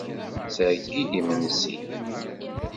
Tettheyyi-d imensi.